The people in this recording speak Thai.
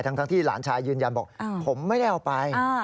ทั้งที่หลานชายยืนยันบอกผมไม่ได้เอาไป